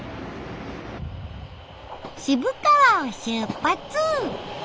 渋川を出発！